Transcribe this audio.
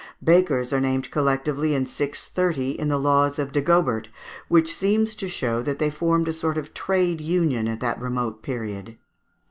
Bakers are named collectively in 630 in the laws of Dagobert, which seems to show that they formed a sort of trade union at that remote period.